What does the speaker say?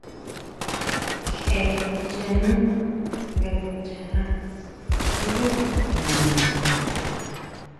Je yanú nga kichajá ndí nana.